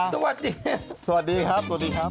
สวัสดีครับ